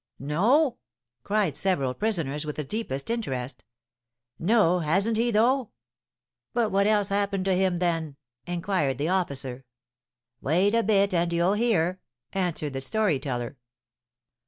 "No?" cried several prisoners, with the deepest interest. "No; hasn't he, though?" "But what else happened to him then?" inquired the officer. "Wait a bit and you'll hear," answered the story teller.